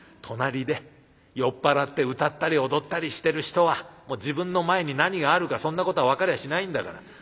隣で酔っ払って歌ったり踊ったりしてる人は自分の前に何があるかそんなことは分かりゃしないんだから。